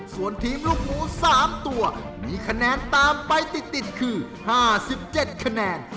ส่วนทีมลูกหมู๓ตัวมีคะแนนตามไปติดคือ๕๗คะแนน